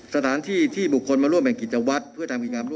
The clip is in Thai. สถานที่ที่บุคคลมาร่วมแห่งกิจวัตรเพื่อทำกิจกรรมร่วม